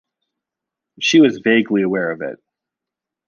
She was vaguely aware of it.